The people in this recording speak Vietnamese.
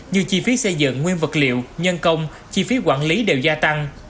như chi phí xây dựng nguyên vật liệu nhân công chi phí quản lý đều gia tăng